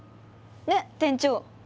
ねっ店長。